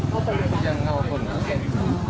เหมือนเงาคน